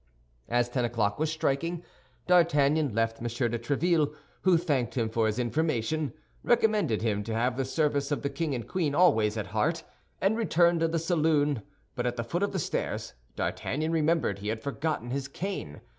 As ten o'clock was striking, D'Artagnan left M. de Tréville, who thanked him for his information, recommended him to have the service of the king and queen always at heart, and returned to the saloon; but at the foot of the stairs, D'Artagnan remembered he had forgotten his cane.